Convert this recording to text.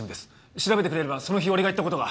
調べてくれればその日俺が行った事が。